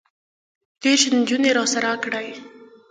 دېرش نجونې راسره کړه.